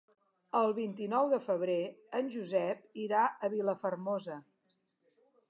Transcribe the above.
El vint-i-nou de febrer en Josep irà a Vilafermosa.